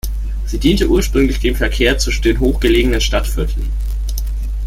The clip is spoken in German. Sie diente ursprünglich dem Verkehr zwischen den hoch gelegenen Stadtvierteln.